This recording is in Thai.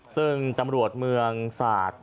ซึ่งตำรวจเมืองศาสตร์